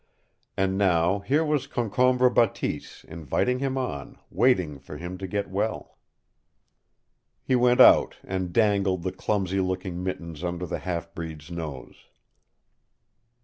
And now here was Concombre Bateese inviting him on, waiting for him to get well! He went out and dangled the clumsy looking mittens under the half breed's nose.